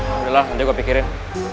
udah lah nanti gue pikirin